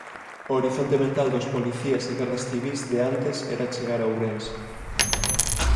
O horizonte mental dos policías e gardas civís de antes era chegar a Ourense.